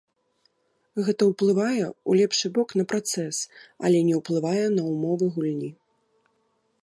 Гэта ўплывае ў лепшы бок на працэс, але не ўплывае на ўмовы гульні.